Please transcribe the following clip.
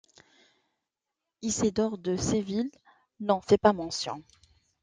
Isidore de Séville n'en fait pas mention.